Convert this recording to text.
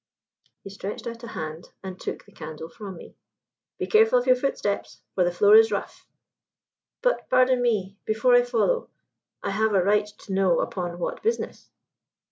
He stretched out a hand and took the candle from me. "Be careful of your footsteps, for the floor is rough." "But, pardon me; before I follow, I have a right to know upon what business."